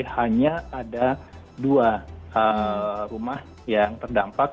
hanya ada dua rumah yang terdampak